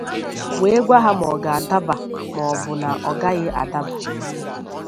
wee gwa ha ma ọ ga-adaba maọbụ na ọ gaghị adaba